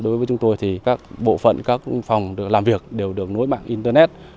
đối với chúng tôi thì các bộ phận các phòng làm việc đều được nối mạng internet